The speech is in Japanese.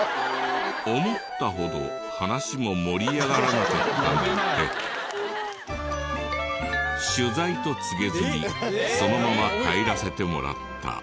思ったほど話も盛り上がらなかったので取材と告げずにそのまま帰らせてもらった。